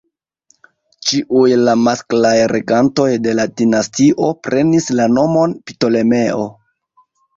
Ĉiuj la masklaj regantoj de la dinastio prenis la nomon Ptolemeo.